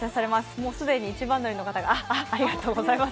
もう既に一番乗りの方がありがとうございます。